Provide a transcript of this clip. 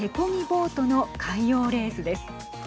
ボートの海洋レースです。